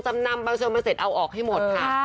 จำนำบางชั่วมันเสร็จเอาออกให้หมดค่ะ